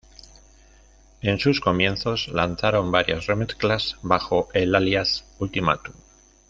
En sus comienzos lanzaron varias remezclas bajo el alias Ultimatum.